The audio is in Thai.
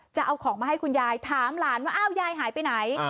จะเอาของมาให้คุณยายถามหลานว่าอ้าวยายหายไปไหน